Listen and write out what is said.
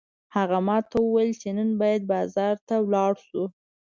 هغه ماته وویل چې نن باید بازار ته لاړ شو